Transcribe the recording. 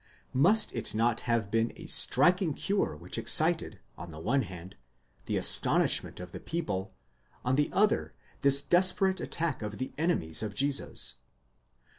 Must it not have been a striking cure which excited, on the one hand, the astonishment of the people, on the other, this desperate attack of the enemies of Jesus?